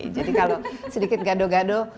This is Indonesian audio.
jadi kalau sedikit gado gado